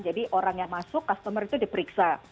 jadi orang yang masuk customer itu diperiksa